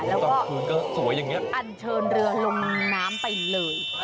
แล้วก็อันเชินเรือลงน้ำไปเลย